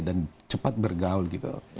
dan cepat bergaul gitu